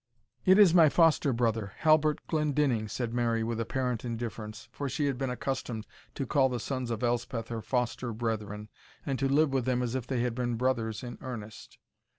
"It is my foster brother, Halbert Glendinning," said Mary, with, apparent indifference; for she had been accustomed to call the sons of Elspeth her foster brethren, and to live with them as if they had been brothers in earnest.